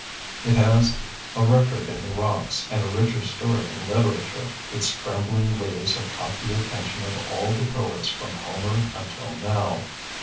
It has a record in the rocks and a richer story in literature. Its trembling leaves have caught the attention of all the poets from Homer until now.